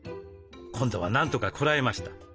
今度はなんとかこらえました。